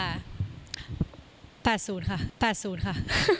เห้นใจ๘๐ค่ะ